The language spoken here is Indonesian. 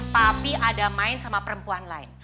tapi ada main sama perempuan lain